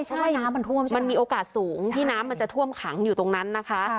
ใช่มันมีโอกาสสูงที่น้ำมันจะท่วมขังอยู่ตรงนั้นนะคะ